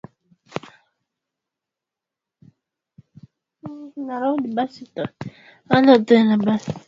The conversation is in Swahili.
na hazipatikani rejareja ama kwa cheti cha daktari